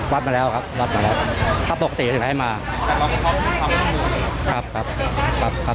วัดมาแล้วครับถ้าปกติถึงให้มา